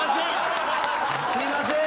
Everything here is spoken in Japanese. すいません！